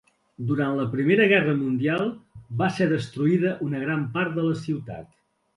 Durant la Primera Guerra Mundial va ser destruïda una gran part de la ciutat.